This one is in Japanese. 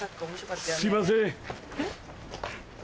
すいません。